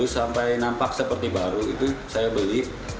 sampai nampak seperti baru itu saya beli